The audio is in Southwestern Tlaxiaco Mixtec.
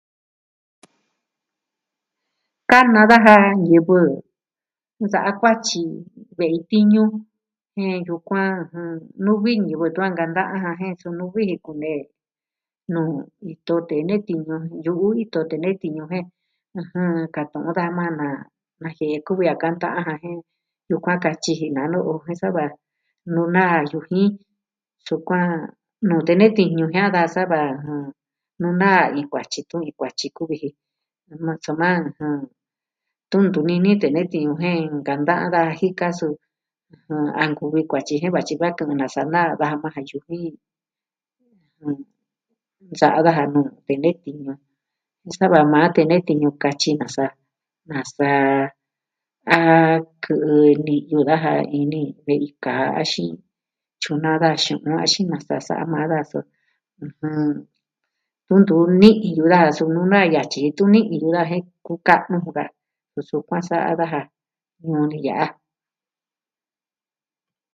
Kana daja ñivɨ nsa'a kuatyi, ve'i tiñu jen yukuan nuvi ñivɨ tun a nkanta'an daja jen su nuvi ji kunee nuu ito tee nee tiñu yu'u ito tee nee tiñu. Kaa tu'un daja majan na najie'e kuvi a kanta'an jan jen yukuan katyi ji naa no'o jo jen sa va, nunaa yujin, sukuan nuu tee nee tiñu jia'an daja sa va nunaa iin kuatyi tun iin kuatyi kuvi ji soma, tun ntuvi nini tee nee tiñu jen nkanta'an daja jika su a nkuvi kuatyi jen vatyi va kɨ'ɨn nasa'a naa daja majan jan yujin. Nsa'a daja nuu tee nee tiñu. sa va maa tee nee tiñu katyi nasa. Nasa a... kɨ'ɨ ni'yu daja ini ve'i kaa axin tyunaa daja xu'un axin nasa sa'a maa daja su tun ntuvi ni'in yu'u daja su nuu naa yatyi ji tun ni'in yu'u daja jen kuka'nu jun ka. Su sukuan sa'a daja ñuu ni ya'a.